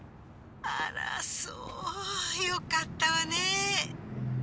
あらそうよかったわねえ。